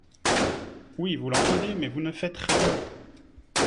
Oui, vous l’entendez, mais vous ne faites rien